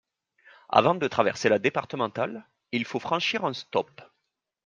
Avant de traverser la départementale, il faut franchir un stop.